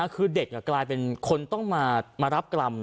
คือเด็กกลายเป็นคนต้องมารับกรรม